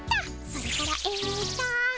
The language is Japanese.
それからえと。